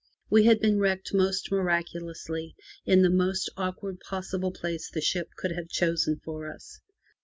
We had been wrecked most miraculously in the most awkward possible place the ship could have chosen for us.